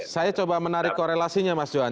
saya coba menarik korelasinya mas johan